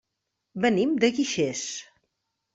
Venim de Guixers.